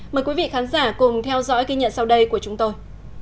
mời quý vị khán giả cùng theo dõi ghi nhận sau đây của chúng tôi